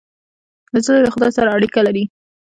نجلۍ له خدای سره اړیکه لري.